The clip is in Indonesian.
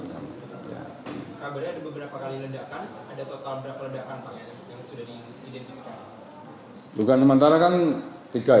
kabarnya ada beberapa kali ledakan ada total berapa ledakan pak ya yang sudah diidentifikasi